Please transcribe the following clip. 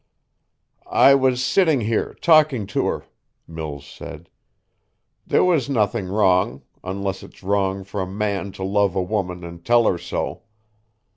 "I was sitting here talking to her," Mills said. "There was nothing wrong unless it's wrong for a man to love a woman and tell her so.